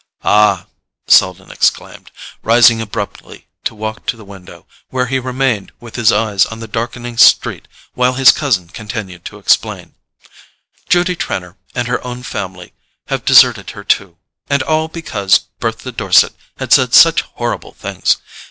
"Ah——" Selden exclaimed, rising abruptly to walk to the window, where he remained with his eyes on the darkening street while his cousin continued to explain: "Judy Trenor and her own family have deserted her too—and all because Bertha Dorset has said such horrible things.